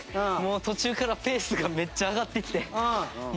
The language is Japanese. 途中からペースがめっちゃ上がってきて。